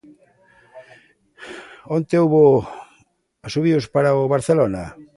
Onte houbo asubíos para o Barcelona.